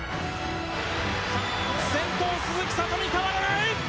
先頭は鈴木聡美変わらない！